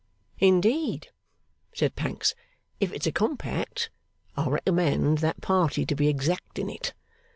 'Indeed?' said Pancks. 'If it's a compact, I recommend that party to be exact in it.